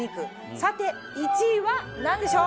さて１位は何でしょう？